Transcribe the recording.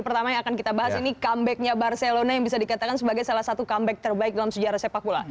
pertama yang akan kita bahas ini comebacknya barcelona yang bisa dikatakan sebagai salah satu comeback terbaik dalam sejarah sepak bola